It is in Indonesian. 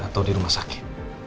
atau di rumah sakit